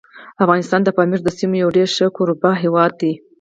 افغانستان د پامیر د سیمو یو ډېر ښه کوربه هیواد دی.